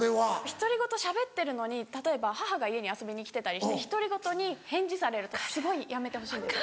独り言しゃべってるのに例えば母が家に遊びに来てたりして独り言に返事されるとすごいやめてほしいんです。